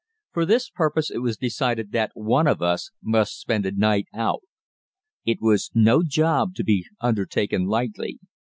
For this purpose it was decided that one of us must spend a night out. It was no job to be undertaken lightly.